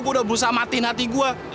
gua udah berusaha matiin hati gua